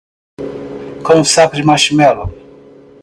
Com um saco de marshmallows.